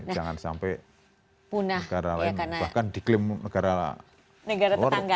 jangan sampai negara lain bahkan diklaim negara